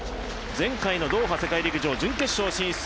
前回のドーハ世界陸上準決勝進出